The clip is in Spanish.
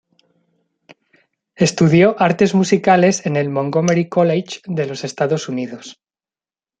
Estudió Artes Musicales en el Montgomery College de los Estados Unidos.